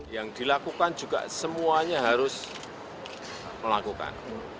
yang dilakukan juga semuanya harus melakukan